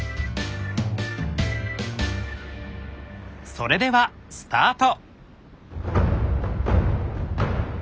それではスタート！